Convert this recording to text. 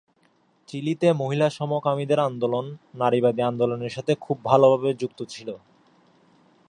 চিলিতে মহিলা সমকামীদের আন্দোলন নারীবাদী আন্দোলনের সাথে খুব ভালোভাবে যুক্ত ছিল।